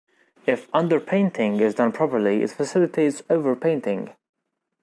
If underpainting is done properly, it facilitates overpainting.